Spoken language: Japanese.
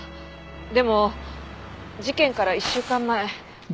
でも事件から１週間前。